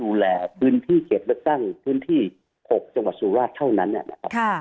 ดูแลพื้นที่เก็บและตั้งพื้นที่๖จังหวัดสุราชธรรมิเท่านั้น